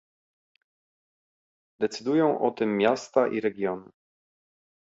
decydują o tym miasta i regiony